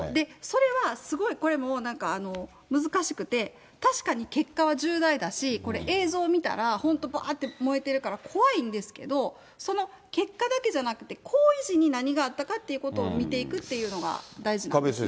それはすごい、これもうなんか、難しくて、確かに結果は重大だし、映像見たら、本当ばーって燃えてるから怖いんですけど、その結果だけじゃなくて、行為時に何があったかということを見ていくっていうのが大事なんですね。